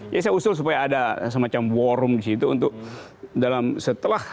jadi saya usul supaya ada semacam war room disitu untuk dalam setelah